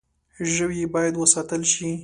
ژوی باید وساتل شي.